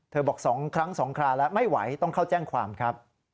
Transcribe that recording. บอก๒ครั้ง๒คราแล้วไม่ไหวต้องเข้าแจ้งความครับ